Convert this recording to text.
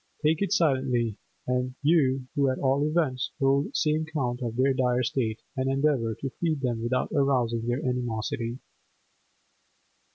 Take it silently, you who at all events hold some count of their dire state; and endeavour to feed them without arousing their animosity!